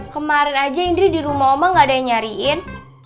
kemarin aja indri di rumah oma gak ada yang nyariin